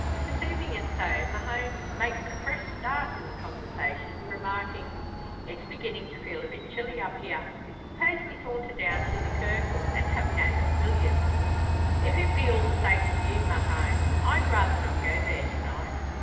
Perceiving it so, Mahon makes a fresh start in the conversation, remarking "It's beginning to feel a bit chilly up here. Suppose we saunter down to the Cercle, and have a game of billiards!" "If it be all the same to you, Mahon, I'd rather not go there to night."